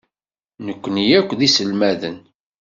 Nekkni akk d iselmaden.